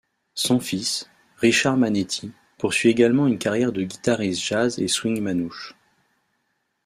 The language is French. Son fils, Richard Manetti, poursuit également une carrière de guitariste jazz et swing manouche.